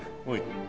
おい。